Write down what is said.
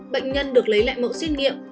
bệnh nhân được lấy lại mẫu xét nghiệm